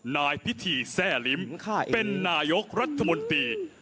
นายพิธีแทร่ลิ้มเป็นนายกรัฐมนตรี